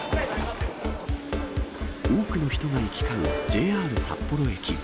多くの人が行き交うＪＲ札幌駅。